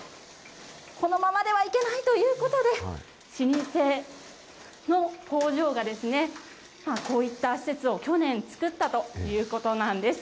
このままではいけないということで、老舗の工場がこういった施設を去年作ったということなんです。